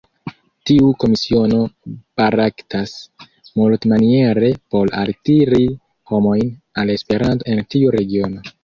Tiu komisiono baraktas multmaniere por altiri homojn al Esperanto en tiu regiono.